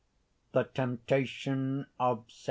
H. THE TEMPTATION OF ST.